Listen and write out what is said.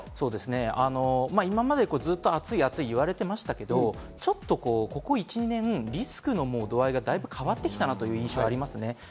今まで暑い言われてましたけど、ちょっとここ１２年、リスクの度合いが変わってきたなという印象があります。